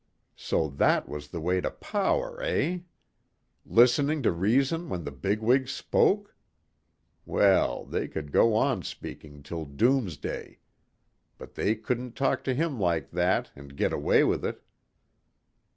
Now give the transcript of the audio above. So that was the way to power, eh? Listening to reason when the big wigs spoke? Well, they could go on speaking till doomsday. But they couldn't talk to him like that ... and get away with it.